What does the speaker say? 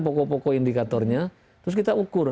pokok pokok indikatornya terus kita ukur